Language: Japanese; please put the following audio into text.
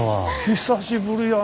久しぶりやな。